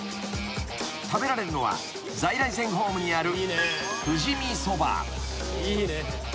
［食べられるのは在来線ホームにある］